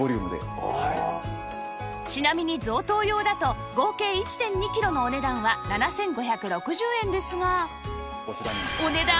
ちなみに贈答用だと合計 １．２ キロのお値段は７５６０円ですが